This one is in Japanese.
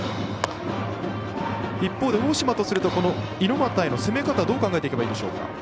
一方で大島とすると猪俣への攻め方どう考えていけばいいんでしょうか。